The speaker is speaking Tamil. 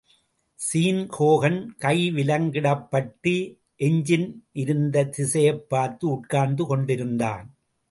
ஸீன்ஹோகன் கைவிலங்கிடப்பட் டு எஞ்சின் இருந்த திசையைப்பார்த்து உட்கார்ந்து கொண்டிருந்தான்.